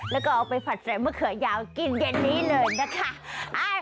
แล้วก็เอาไปผัดใส่มะเขือยาวกินเย็นนี้เลยนะคะ